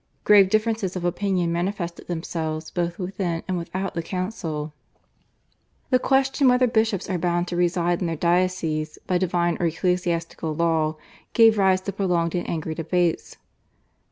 Grave differences of opinion manifested themselves both within and without the council. The question whether bishops are bound to reside in their dioceses by divine or ecclesiastical law gave rise to prolonged and angry debates.